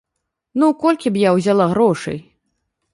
Ну, колькі б я ўзяла грошай?